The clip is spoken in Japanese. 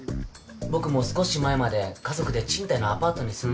僕も少し前まで家族で賃貸のアパートに住んでたんですけど。